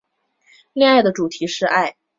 恋歌的主题是爱。